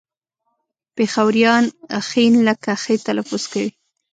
پېښوريان ښ لکه خ تلفظ کوي